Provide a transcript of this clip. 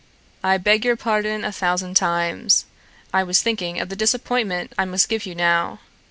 "I beg your pardon a thousand times. I was thinking of the disappointment I must give you now.